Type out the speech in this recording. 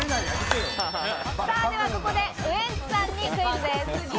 ではここでウエンツさんにクイズです。